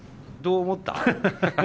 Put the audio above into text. どう思った？